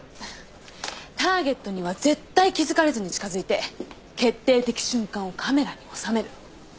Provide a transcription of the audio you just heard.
ターゲットには絶対気づかれずに近づいて決定的瞬間をカメラに収める。